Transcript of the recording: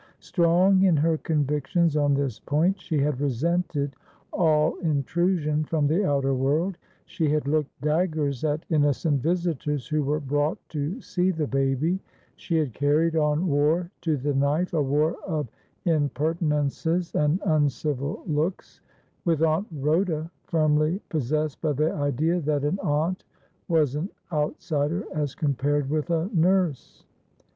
Strong in her convictions on this point, she had resented all intrusion from the outer world ; she had looked daggers at innocent visitors who were brought to see the baby ; she had carried on war to the knife — a war of impertinences and uncivil looks — with Aunt Rhoda, firmly pos sessed by the idea that an aunt was an outsider as compared with a nurse.